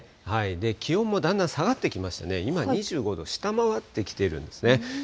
気温もだんだん下がってきましたね、今２５度を下回ってきているんですね。